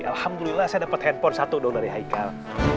alhamdulillah saya dapat handphone satu dong dari haikal